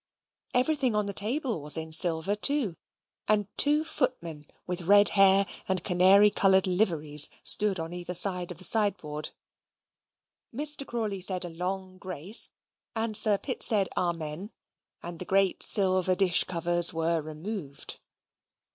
Everything on the table was in silver too, and two footmen, with red hair and canary coloured liveries, stood on either side of the sideboard. Mr. Crawley said a long grace, and Sir Pitt said amen, and the great silver dish covers were removed.